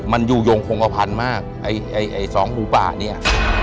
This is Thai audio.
มันอยู่โยงพงภัณฑ์มากไอ้สองหมูป่าเนี่ย